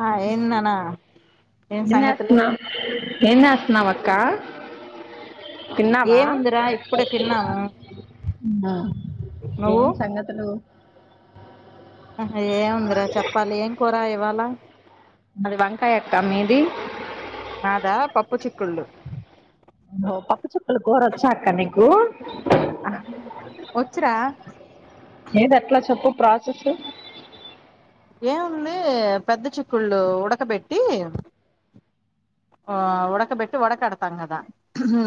ఆ ఏంది నాన్న ఏం చేస్తున్నావ్ ఏం చేస్తున్నావ్ అక్ అక్క తిన్నావా ఏముందిరా ఇప్పుడే తిన్నాము నువ్వు ఏం సంగతులు ఆహా ఏముందిరా చెప్పాలి ఏం కూర ఇవాలా మాది వంకాయ అక్క మీది నాదా పప్పు చిక్కుళ్ళు అవు పప్పు చిక్కుళ్ళు కూరా వచ్చాక్క నికు ఆహ్, వచ్చురా మీది ఎట్లా చెప్పు ప్రా చెప్పు ఏముంది పెద్ద చిక్కుళ్ళు ఉడకబెట్టి ఆ ఉడకబెట్టి ఉడకడతాం కదా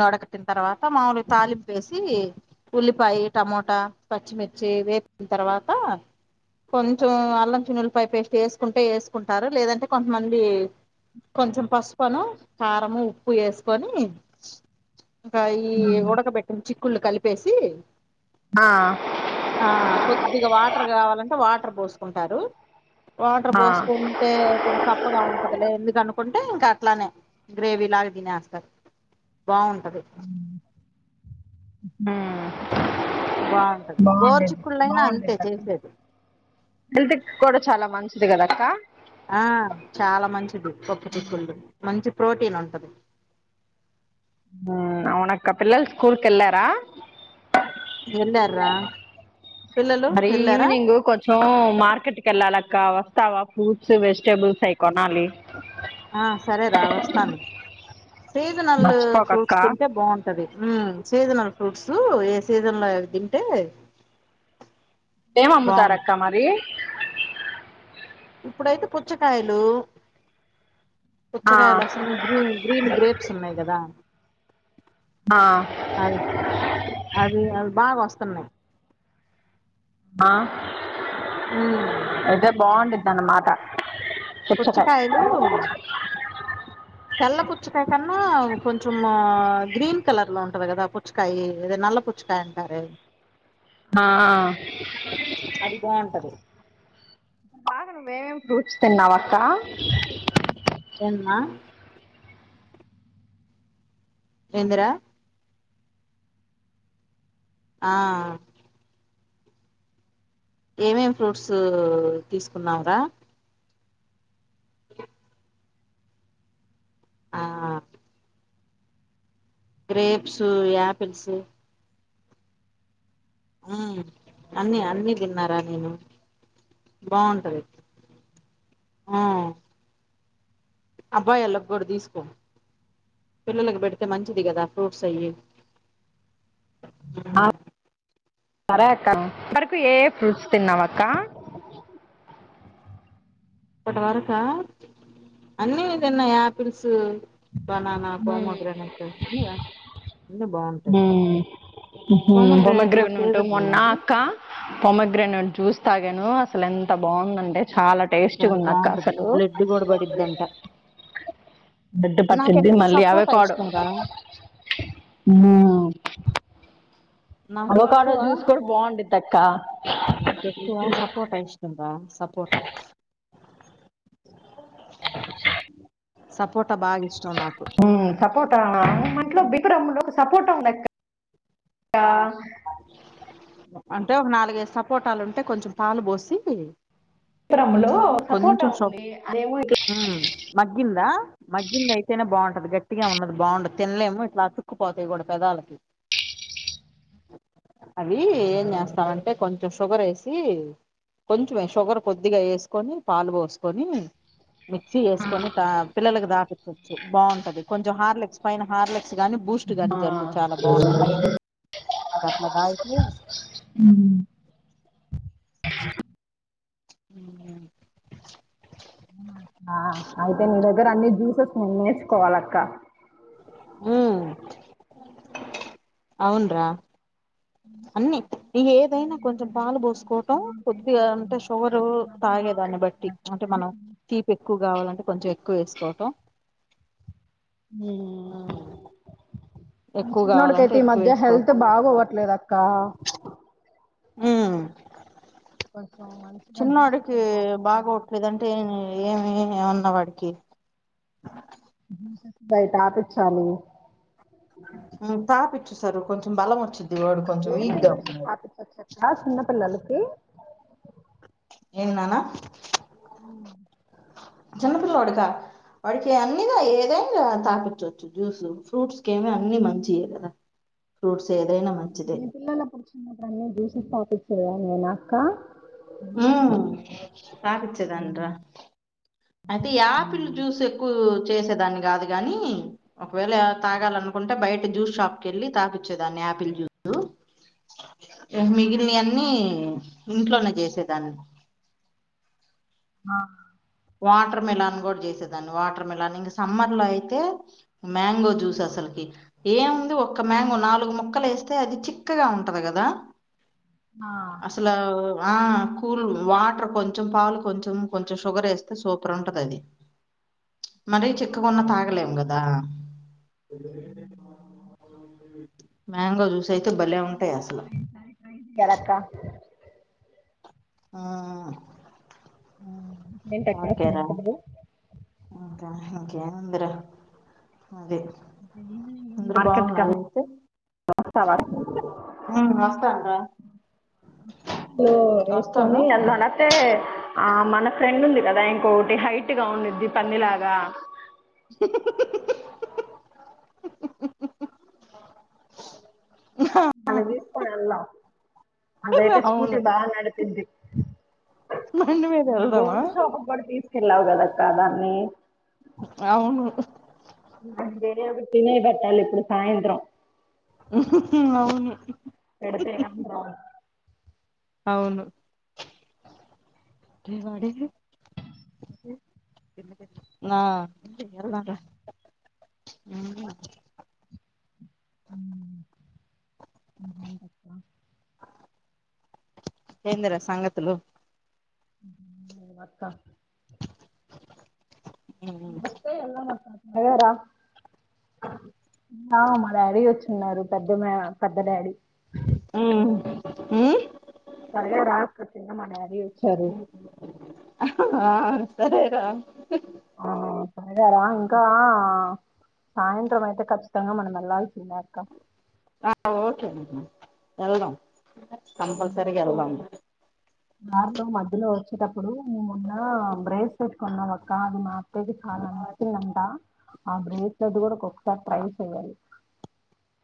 వడకట్టిన తర్వాత మాములుగా తాలింప వేసి ఉల్లిపాయ టమోటా పచ్చిమిర్చి వేసిన తర్వాత కొంచెం అల్లం చినుల్లిపాయ పేస్ట్ వేసుకుంటే వేసుకుంటారు లేదంటే కొంతమంది కొంచెం పసు ప్పును కారంము ఉప్పు వేసుకొని ఇంకా ఈ ఉడకబెట్టిన చి కుల్ కలిపేసి ఆ ఆ కొద్దిగా వాటర్ కావాలంటే వాటర్ పోసుకుంటారు వాటర్ ఆ, పోసుకుంటే కొంచెం చప్పగా ఉంటదిలే ఎందుకును కంటే ఇంకా అట్లానే గ్రేవీ లాగా తినేస్తారు బాగుంటది ఆ బాగుంటది గోరు బాగుండేది చిక్కుళ్ళైనా అంతే బాగుండేది అక్క చేసేది హెల్త్ కూడా చాలా మంచిది కదా అ కా ఆ చాలా మంచిది కొప్పు చిక్కుళ్ళు మంచి ప్రోటీన్ ఉంటది ఉమ్, అవునక్క పిల్లల స్కూల్ క వెళ్ళారా వెళ్ళారా పిల్లలు మరి వెళ్ళారా ఈవినింగ్ కొంచెం మార్కెట్కి వెళ్ళాల ఇంకా వస్తావా ఫ్రూట్స్ వెజిటేబుల్స్ అయి కొనాలి ఆ సరే రా వస్తాను సీజనల్ మర్చిపోకక్క ఫ్రూట్స్ తింటే బావుంటది ఉమ్ సీజనల్ ఫ్రూట్స్ ఏ సీజన్లో అవి తింటే ఏం బాగుంది అమ్ముతారక్క మరి ఇప్పుడైతే పుచ్చకాయలు ఆ పచ్చకాయలు వస్తున్నాయి గ్రీన్ గ్రీన్ గ్రేప్స్ ఉన్నాయి కదా ఆ అవి అవి అవి బాగా వస్తున్నాయి ఆ ఉమ్ అయితే బాగుండిదిన్నమాట పుచ్చకాయ పుచ్చకాయలు మా కొంచం గ్రీన్ కలర్ లో ఉంటది కదా పుచ్చకాయ అదే నల్ల పుచ్చకాయ అంటారే ఆ అది బాగుంటది బాగా నువ్వేం ఫ్రూట్స్ తిన్నావ అక్క మా ఏంది రా ఆ ఏమేం ఫ్రూట్స్ తీసుకున్నావు రా ఆ గ్రేప్సు యాపిల్స్ ఆ అన్నిీ అన్ని తిన్నారా నేను బాగుంటది ఆ అబ్బాయిలో కూడా తీసుకో పిల్లలలకు పెడితే మంచిది కదా ఫ్రూట్స్ అయి సరే అక్క వరకు ఏ ఫ్రూట్స్ తిన్నావ అక్క ఇప్పటి వరకా అన్నీ తిన్నా యాపిల్స్ బనానా ప్రోమోగ్రానేట్ అయితే బాగుంటుంది ఉమ్ కూడా ప్రోమోగ్రెనేట్ సీజన్ అయినా మొన్న ఇది అక్క ప్రోమోగ్రనేట్ చూస్త తాగాను అసలు ఎంత బాగుందంటే చాలా టేస్ట్ గ చాలా ఉన్దక్క బాగుంటది అసలు బ్లడ్ కూడా పడిద్దంట బెడ్ నాకు పట్టిన్ది ఎక్కువ మళ్ళీ అవే సపోటా కాడు ఇష్టం రా ఆ నాకు ఎక్కువ బాగుండిద్ది అక్క నాకు ఎక్కువ సపోటా ఇష్టం రా సపోటా సప్ ఉమ్ సపోటా మంట్లో బికారంలో సపోర్ట ఉందక్క ఆ అంటే ఒక నాలుగైదు సపోటాలు ఉంటే కొంచెం పాలు పోసి టబ్లో సపోర్ట కొంచెం సొ ఉంది ఏమో ఆయ్ ఉమ్ మగ్గిందా మగ్గింది అయితేనే బాగుంటది గట్టిగా ఉన్నది బాగుంటది తినలేము ఇట్లా చుక్కుపోతాయి కూడా పెదాలకి అవి ఏం చేస్తాారంటే కొంచెం షుగర్ వేసి కొంచంే షుగర్ కొద్దిగా వేసి కొని పాలు పోసుకొని మిక్సి వేసుకొని దా పిల్లలకి దా బాగుంటది కొంచం హార్ లెక్స్ పైన హార్లెక్ గాని బూస్ట్ గాని చల్లు చాలా బాగుంటది గట్ల తాగితే అ అ ఆ ఆయితే నీ దగ్గర అన్నీ జ్యూసెస్ ము నేర్చుకోవాలక్క ఉమ్ అవున్రా అన్నిీ ఏదైనా కొంచెం పాలు పోసుకోవటం కొద్దిగా అంటే షుగర్ తాగేదాన్ని బట్టి అంటే మనం తీపి ఎక్కువ కావాలంటే కొంచెం ఎక్ క్కువ వేసుకోవటం ఉమ్ మా ఎక్కువ కావాలంటే షీన్నోడ్కైతే ఈ ఎక్కువ మధ్య హెల్త్ వేసుకోవటం బాగవట్లేద అక్క ఆ కొంచెం మంచిగా జ్యూసెస్ చిన్నడికి అవి తాపించాలి బాగాోట్లేదంటే ఏమి ఉన్నవాడు క స బయట ఆపచ్చాలి తపిచ్చు సారు కొంచెం బలం వచ్చింది ఏమై చూస స్థాపించవచ్చక్క చిన్న పిల్లలకి ఏను నానా ఆ చిన్నపిల్ల వాడక వాడిక అన్నిగా ఏదైనా తాపచవచ్చు జ్యూస్ ఫ్రూట్స్కిమి అన్ని మంచియ కదా ఫ్రూట్స్ ఏదైనా మంచిదే దాన్నీ దూస స్థాపిస్తు నేను అక్క హ తగచ్చేదండరా అయితే ఈ ఆపిల్ జ్యూస్ ఎక్కువ య వె మ దాన్ని ఆ వాటర్ మెలాన్ కూడా చేసేదాన్ని వాటర్ మెలాన్ ఇంకా సమ్మర్ లో అయితే మ్యాంగో జ్యూస్ అసలుకి ఏముంది ఒక ఒక మ్యాంగో నాలుగు మొక్కలు వేస్త అయితే అది చిక్కగా ఉంటది కదా అసలు ఆ కూల్ వాటర్ కొంచెం పావులు కొంచెం కొంచెం షుగర్ వేస్త అ సూపర్ ఉంటది అది మరి చెక్క కొన్న తాగలేగ ఆ మ్యాంగో జూస్ సైతే భలే ఉంటాయి అసలు ఏంటక్క ఆ ఓకేరా ఏందిరా అదే అందరు మార్కెట్కి బాగున్నారు వెళ్ళి అయితే వస్తావా ఆ వస్తాన్ రా లో వస్తాను వేసుకొని అదనతే ఆ మన ఫ్రెండ్ ఉంది కదా ఇంకొకటి హైట్ పొట్టిగా ఉండిద్ది పందిలాగ మన్న తిస్కొనిన్ల అదైతే అవును స్కూటీ బా నడిపింది బండి మీద మొన్న వెళ్దామా గోల్డ్ షాపు కూడా తీసుకెళ్ళావు కదక్క దాన్ని అవును దేనే ఒక తినై పెట్టాలి ఇప్పుడు సాయంత్రం అవును ఎడతే కాంట అవును వాడే ఆ వెళ్దాం రా అంటప్పా ఎదిరా సంగతులు వస్త ఉమ్ వస్త అన్నావ్ అంట అలాగారా మా డాడీ వచ్చిన్నారు పెద్ద మ పెద్ద డాడీ హ్మ్ ఉమ్ సర్లేరా మా డాడీ వచ్చాడు ఆ సరేరా ఆగారా ఇంకా సాయంత్రం అయితే కఖచ్చితంగా మనం వెళ్లాల్సిన్నాక్క ఓకే ఎల్ కంపల్సరి ఎల్ ఉంట ఇ ఇప్పుడు మేమున్న బ్రేస్లెట్ కొన్నాం అక్క అది మా అత్తాకి చాలా నచ్చంద అంట ఆ బ్రేస్లెట్ కూడా ఒక ట్రై చేయాలి